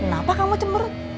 kenapa kamu cemberut